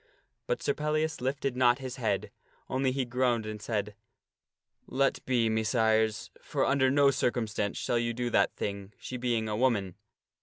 But Sir Pellias lifted not his head, only he groaned and he said, " Let be, Messires ; for under no circumstance shall ye do that thing, she being a woman.